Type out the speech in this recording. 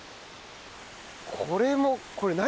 これもこれ何？